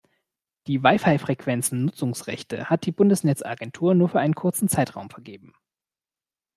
Die WiFi-Frequenzen-Nutzungsrechte hat die Bundesnetzagentur nur für einen kurzen Zeitraum vergeben.